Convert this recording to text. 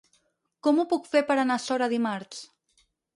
Com ho puc fer per anar a Sora dimarts?